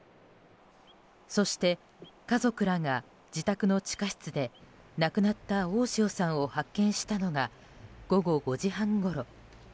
そして家族らが自宅の地下室で亡くなった大塩さんを発見したのが午後５時半ごろ。